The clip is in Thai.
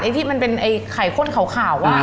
ในที่มันเป็นไข่ข้นขาวว่าอ่า